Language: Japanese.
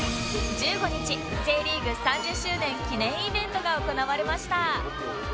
１５日 Ｊ リーグ３０周年記念イベントが行われました